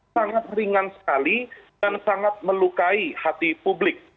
sangat ringan sekali dan sangat melukai hati publik